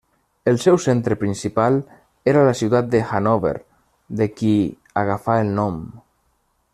El seu centre principal era la ciutat de Hannover de qui agafà el nom.